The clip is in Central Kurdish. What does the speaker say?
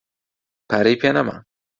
پارەی پێ نەما.